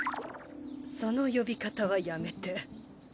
その呼び方はやめて。